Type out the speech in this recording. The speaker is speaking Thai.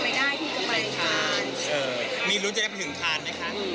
ใช่มีรูปเจ๊ไปถึงคลานไหมคะ